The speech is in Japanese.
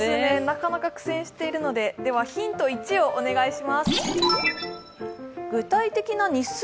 なかなか苦戦しているのでヒント１をお願いします。